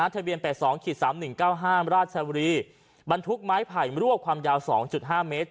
ทะเบียน๘๒๓๑๙ห้ามราชบุรีบรรทุกไม้ไผ่มรวบความยาว๒๕เมตร